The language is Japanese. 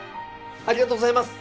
ありがとうございます！